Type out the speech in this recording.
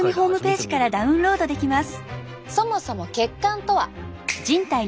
そもそも血管とは。